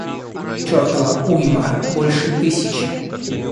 чертова уйма – больше тысячи.